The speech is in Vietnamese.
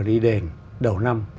đi đền đầu năm